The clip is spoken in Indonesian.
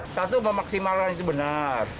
satu memaksimalkan itu benar